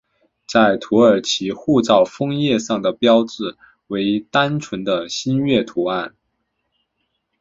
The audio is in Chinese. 在土耳其护照封页上的标志为单纯的星月图案。